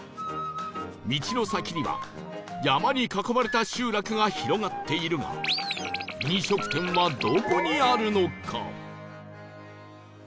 道の先には山に囲まれた集落が広がっているが飲食店はどこにあるのか？